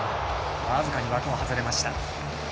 僅かに枠を外れました。